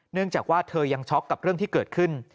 เนื่องจากว่าเธอยังช็อกกับเรื่องที่เกิดขึ้น